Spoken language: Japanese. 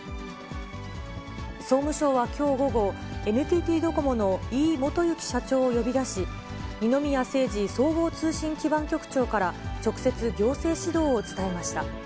総務省はきょう午後、ＮＴＴドコモの井伊基之社長を呼び出し、二宮清治総合通信基盤局長から直接、行政指導を伝えました。